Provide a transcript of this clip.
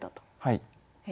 はい。